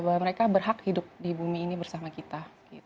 bahwa mereka berhak hidup di bumi ini bersama kita